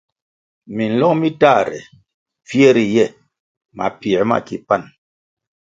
Minlong mi tahre, mpfie ri ye mapiē mo ki pan.